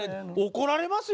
怒られますよ。